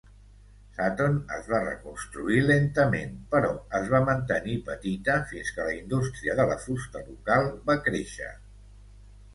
Sutton es va reconstruir lentament però es va mantenir petita fins que la indústria de la fusta local va créixer.